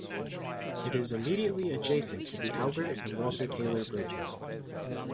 It is immediately adjacent to the Albert and Walter Taylor Bridges.